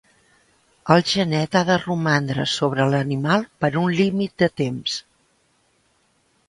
El genet ha de romandre sobre l'animal per un límit de temps.